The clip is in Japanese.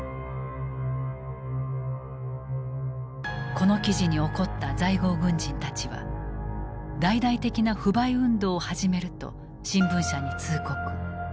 この記事に怒った在郷軍人たちは「大々的な不買運動を始める」と新聞社に通告。